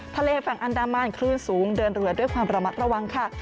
ทะเลฝั่งอันดามันคลื่นสูงเดินเรือด้วยความระมัดระวังค่ะ